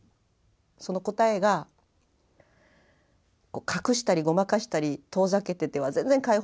その答えが隠したりごまかしたり遠ざけてては全然解放されないと。